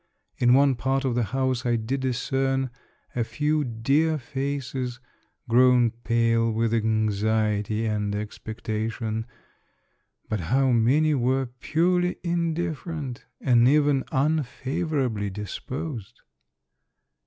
In one part of the house I did discern a few dear faces, grown pale with anxiety and expectation ; but how many were purely in different, and even unfavorably disposed